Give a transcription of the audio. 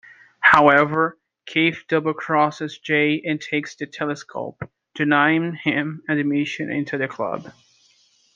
However, Keith double-crosses Jay and takes the telescope, denying him admission into the club.